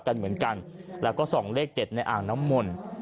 และส่องเลขตุนในอ่างน้ำมน